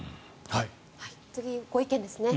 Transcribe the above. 次、ご意見です。